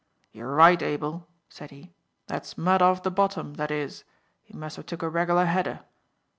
"You're right, Abel," said he. "That's mud off the bottom, that is. He must have took a regular header.